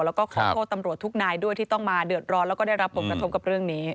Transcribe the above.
แล้วก็ขอโทษตำรวจทุกนายด้วยที่ต้องมาเดือดร้อนแล้วก็ได้รับผลกระทบกับเรื่องนี้